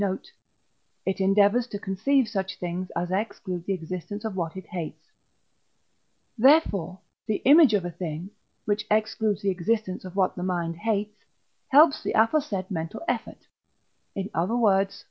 note), it endeavours to conceive such things as exclude the existence of what it hates; therefore the image of a thing, which excludes the existence of what the mind hates, helps the aforesaid mental effort, in other words (III.